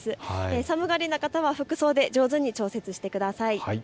寒がりの方は服装で上手に調整してください。